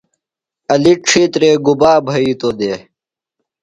علی ڇِھیترے گُبا بھئِیتوۡ دےۡ؟